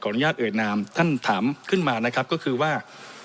อนุญาตเอ่ยนามท่านถามขึ้นมานะครับก็คือว่า